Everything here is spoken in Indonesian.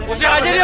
usir aja dia